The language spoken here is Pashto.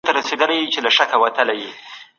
په وروستیو ورځو کي احمد شاه ابدالي د چا سره لیدل؟